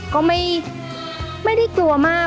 ก็ไม่ได้กลัวมาก